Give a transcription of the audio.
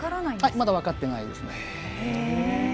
まだ分かってないです。